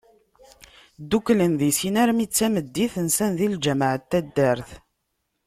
Ddukklen di sin, armi d tameddit, nsan di lğameε n taddart.